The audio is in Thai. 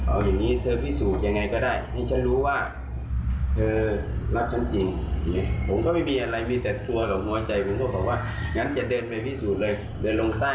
เอาอย่างนี้เธอพิสูจน์อย่างไรก็ได้ให้ฉันรู้ว่าเธอรักฉันจริง